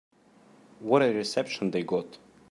What a reception they got.